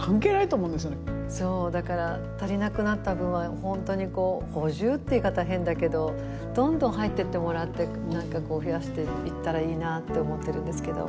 だから足りなくなった分は本当に補充っていう言い方は変だけどどんどん入ってってもらって何かこう増やしていったらいいなって思ってるんですけど。